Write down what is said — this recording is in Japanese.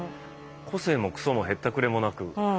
個性もくそもへったくれもなく。